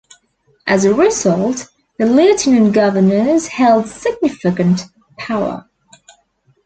As a result, the lieutenant governors held significant power.